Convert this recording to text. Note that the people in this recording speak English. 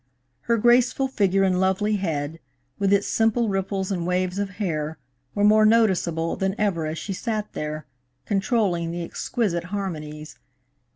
Her graceful figure and lovely head, with its simple ripples and waves of hair, were more noticeable than ever as she sat there, controlling the exquisite harmonies.